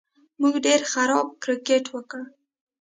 موږ ډېر خراب کرېکټ وکړ